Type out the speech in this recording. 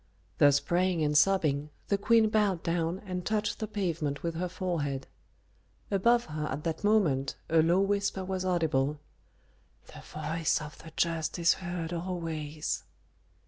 Thus praying and sobbing, the queen bowed down and touched the pavement with her forehead. Above her at that moment a low whisper was audible, "The voice of the just is heard always."